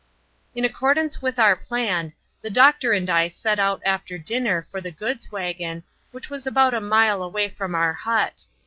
In accordance with our plan, the doctor and I set out after dinner for the goods wagon, which was about a mile away from our hut.